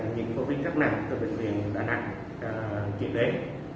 những covid gấp nặng từ bệnh viện đà nẵng chuyển đến